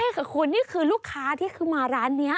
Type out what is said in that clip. ไม่ใช่ค่ะคุณนี่คือลูกค้าที่มาร้านนี้